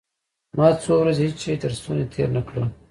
ما څو ورځې هېڅ شى تر ستوني تېر نه کړل.